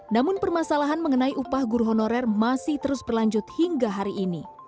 namun permasalahan mengenai upah guru honorer masih terus berlanjut hingga hari ini